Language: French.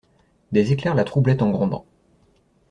Des éclairs la troublaient en grondant.